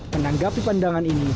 menanggapi pandangan ini